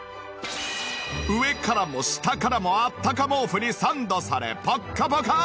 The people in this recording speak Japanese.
上からも下からもあったか毛布にサンドされぽっかぽか！